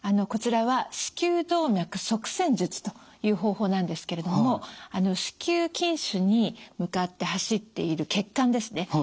こちらは子宮動脈塞栓術という方法なんですけれども子宮筋腫に向かって走っている血管ですね